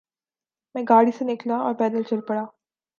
میں گاڑی سے نکلا اور پیدل چل پڑا۔